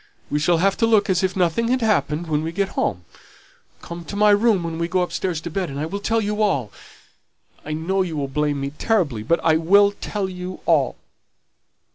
We shall have to look as if nothing had happened when we get home. Come to my room when we go upstairs to bed, and I'll tell you all. I know you'll blame me terribly, but I will tell you all."